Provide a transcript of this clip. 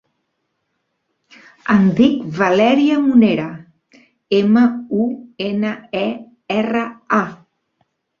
Em dic Valèria Munera: ema, u, ena, e, erra, a.